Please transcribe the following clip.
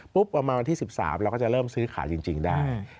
ประมาณวันที่๑๓เราก็จะเริ่มซื้อขายจริงได้